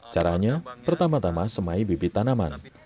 caranya pertama tama semai bibit tanaman